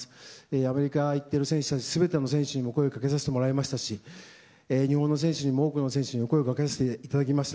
アメリカに行っている選手や全ての選手たちに声をかけさせてもらいましたし日本の選手にも多くの選手に声をかけさせてもらいました。